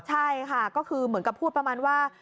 ใช่ค่ะก็คือเหมือนกับพูดประมาณว่า